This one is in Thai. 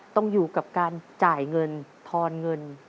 ต้องอยู่กับการจ่ายเงินทอนเงิน